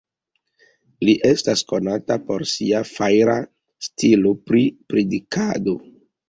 Li estas konata por sia fajra stilo pri predikado.